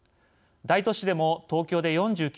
大都市でも東京で４９％